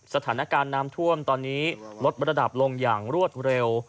สถานการณ์น้ำท่วมตอนนี้ลดระดับลงอย่างรวดเร็ว